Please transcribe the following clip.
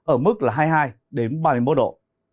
ở mức là hai mươi hai ba mươi một độ